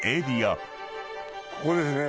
ここですね。